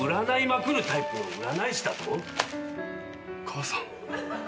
母さん。